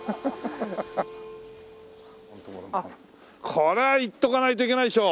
これはいっておかないといけないでしょ！